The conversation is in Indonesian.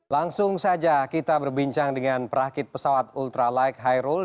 langsung saja kita berbincang dengan perakit pesawat ultralight kairul